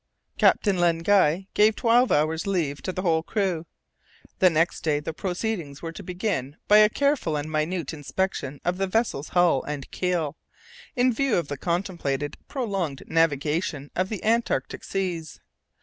Captain Len Guy gave twelve hours' leave to the whole crew. The next day the proceedings were to begin by a careful and minute inspection of the vessel's hull and keel, in view of the contemplated prolonged navigation of the Antarctic seas.